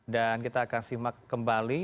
kita akan simak kembali